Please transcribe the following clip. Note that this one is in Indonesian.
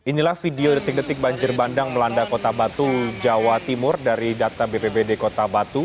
inilah video detik detik banjir bandang melanda kota batu jawa timur dari data bpbd kota batu